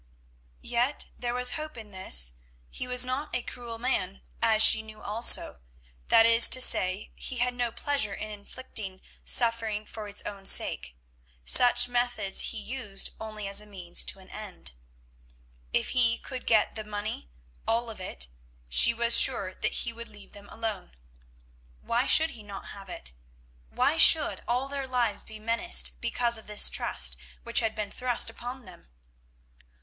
Yet there was hope in this; he was not a cruel man, as she knew also, that is to say, he had no pleasure in inflicting suffering for its own sake; such methods he used only as a means to an end. If he could get the money, all of it, she was sure that he would leave them alone. Why should he not have it? Why should all their lives be menaced because of this trust which had been thrust upon them?